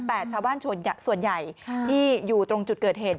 แต่ชาวบ้านส่วนใหญ่ที่อยู่ตรงจุดเกิดเหตุ